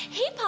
sari kata dari